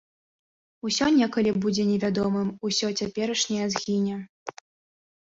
Усё некалі будзе невядомым, усё цяперашняе згіне.